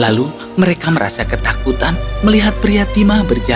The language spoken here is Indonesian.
lalu mereka merasa ketakutan melihat pria timah yang menuju mereka